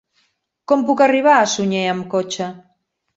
Com puc arribar a Sunyer amb cotxe?